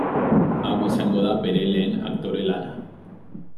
Hau izango da bere lehen aktore lana.